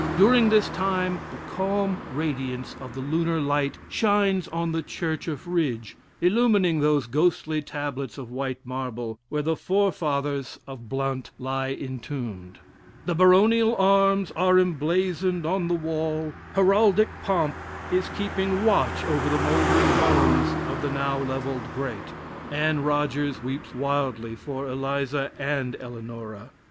During this time, the calm radiance of the lunar light shines on the church of Ridge, illumining those ghostly tablets of white marble, where the forefathers of Blount lie entombed. The baronial arms are emblazoned on the wall; heraldic pomp is keeping watch over the mouldering bones of the now levelled great. Anne Rogers weeps wildly for Eliza and Eleanora.